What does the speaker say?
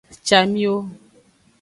Camiwi.